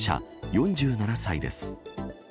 ４７歳です。